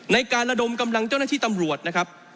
ในการระดมกำลังเจ้าหน้าที่ตำรวจนะครับ